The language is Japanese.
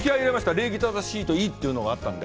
礼儀正しいといいとあったので。